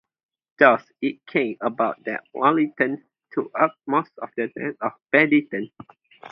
Thus it came about that Wallington took up most of the land of Beddington.